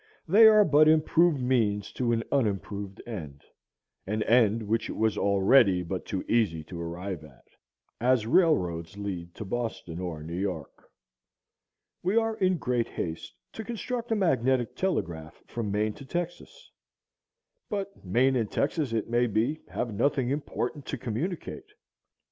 They are but improved means to an unimproved end, an end which it was already but too easy to arrive at; as railroads lead to Boston or New York. We are in great haste to construct a magnetic telegraph from Maine to Texas; but Maine and Texas, it may be, have nothing important to communicate.